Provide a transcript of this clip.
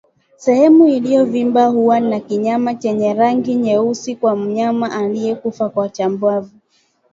Sehemu iliyovimba huwa na kinyama chenye rangi nyeusi kwa mnyama aliyekufa kwa chambavu